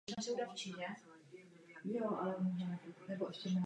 Celkově je mechanismus pušky velice spolehlivý a nenáročný na údržbu.